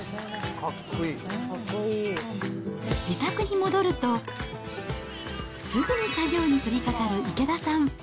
自宅に戻ると、すぐに作業に取りかかる池田さん。